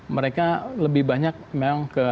mereka lebih banyak memang ke